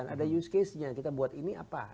ada use case nya kita buat ini apa